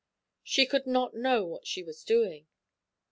She could not know what she was doing.